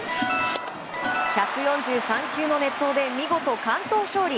１４３球の熱投で見事完投勝利。